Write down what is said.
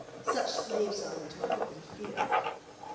Such slaves are we to hope and fear!